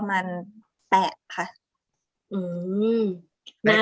นานเหมือนกันเนอะ